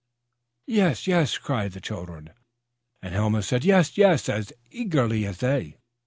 "Yes, yes," cried the children, and Helma said, "Yes, yes," as eagerly as they.